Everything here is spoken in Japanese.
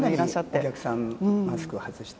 かなりお客さん、マスクを外して。